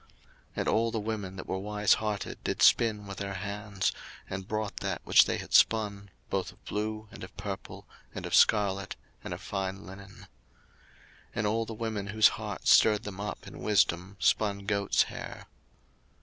02:035:025 And all the women that were wise hearted did spin with their hands, and brought that which they had spun, both of blue, and of purple, and of scarlet, and of fine linen. 02:035:026 And all the women whose heart stirred them up in wisdom spun goats' hair.